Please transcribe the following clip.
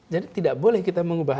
jadi tidak boleh kita mengubah